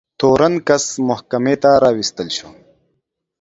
تورن کس محکمې ته راوستل شو.